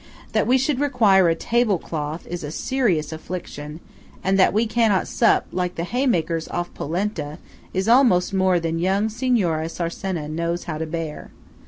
That we should require a table cloth is a serious affliction, and that we cannot sup, like the haymakers, off polenta, is almost more than Young Signora Cercena knows how to bear.